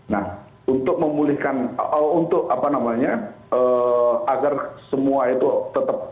nah untuk memulihkan untuk apa namanya agar semua itu tetap